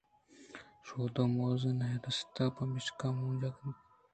شادو ءَ موز نہ رستگ پمیشکا مونجا اِنت